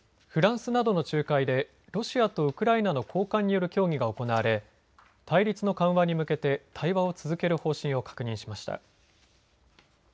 フランスなどの仲介でロシアとウクライナの高官による協議が行われ対立の緩和に向けて対話を続ける方針を確認しました。